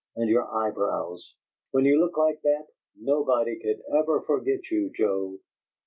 And your eyebrows! When you look like that, nobody could ever forget you, Joe!"